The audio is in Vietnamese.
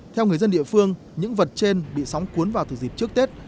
theo người dân địa phương những vật trên bị sóng cuốn vào từ dịp trước tết